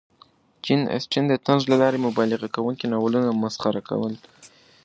جین اسټن د طنز له لارې مبالغه کوونکي ناولونه مسخره کړل.